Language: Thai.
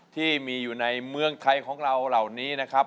ที่มีอยู่ในเมืองไทยของเราเหล่านี้นะครับ